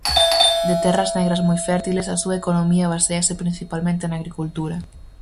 De terras negras moi fértiles, a súa economía baséase principalmente na agricultura.